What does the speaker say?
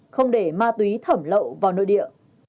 không để ma túy thẩm lậu vào nội địa